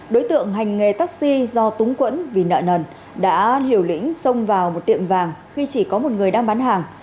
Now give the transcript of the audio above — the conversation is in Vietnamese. đối tượng hành nghề taxi do túng quẫn vì nợ nần đã liều lĩnh xông vào một tiệm vàng khi chỉ có một người đang bán hàng